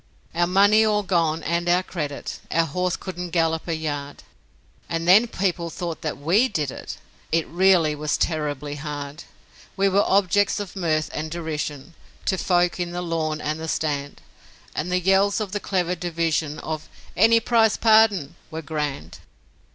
Our money all gone and our credit, Our horse couldn't gallop a yard; And then people thought that WE did it! It really was terribly hard. We were objects of mirth and derision To folk in the lawn and the stand, And the yells of the clever division Of 'Any price Pardon!' were grand.